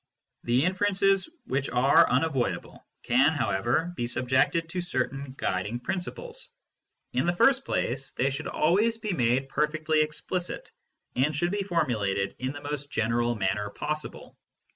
The inferences which are unavoidable can, however, be subjected to certain guiding principles. In the first place they should always be made perfectly explicit, and should be formulated in the most general manner possible.